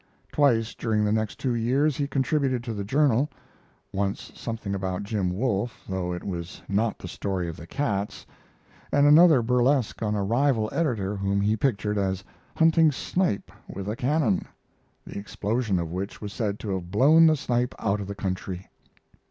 Twice during the next two years he contributed to the Journal; once something about Jim Wolfe, though it was not the story of the cats, and another burlesque on a rival editor whom he pictured as hunting snipe with a cannon, the explosion of which was said to have blown the snipe out of the country.